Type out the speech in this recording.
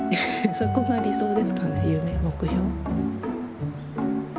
そこが理想ですかね夢目標。